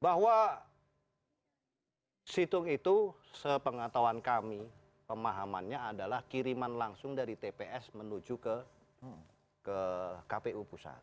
bahwa situng itu sepengetahuan kami pemahamannya adalah kiriman langsung dari tps menuju ke kpu pusat